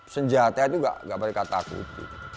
senjatanya itu gak berkat takut